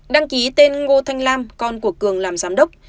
đăng ký tên ngô thanh lam con của cường làm giám đốc